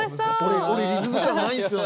俺リズム感ないんすよね。